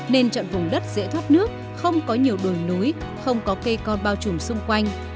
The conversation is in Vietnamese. nên chọn vùng đất dễ thoát nước không có nhiều đồi núi không có cây con bao trùm xung quanh